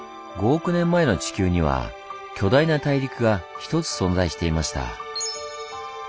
５億年前の地球には巨大な大陸がひとつ存在していました。